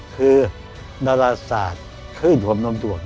คือดาราศาสตร์คลื่นความลมถวง